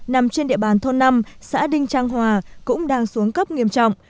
nằm trên địa bàn thôn năm xã đinh trang hòa cũng đang xuống cấp nghiêm trọng